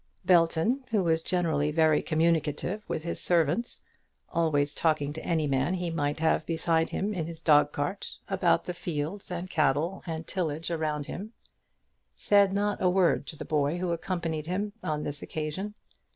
Belton, who was generally very communicative with his servants, always talking to any man he might have beside him in his dog cart about the fields and cattle and tillage around him, said not a word to the boy who accompanied him on this occasion.